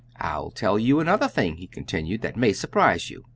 "I'll tell you another thing," he continued, "that may surprise you.